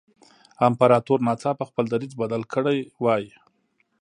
امپراتور ناڅاپه خپل دریځ بدل کړی وای.